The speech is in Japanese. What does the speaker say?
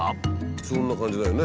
そんな感じだよね。